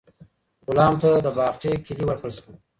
غلام ته د باغچې کیلي ورکړل شوه.